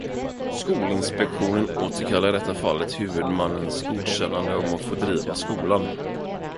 Skolinspektionen återkallade i detta fall huvudmannens godkännande om att få driva skolan.